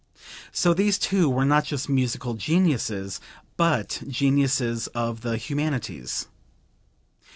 So these two were not just musical geniuses, but geniuses of the humanities.